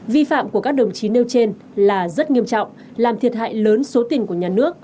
vi phạm của các đồng chí nêu trên là rất nghiêm trọng làm thiệt hại lớn số tiền của nhà nước